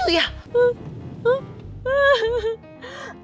tante siapin tisu ya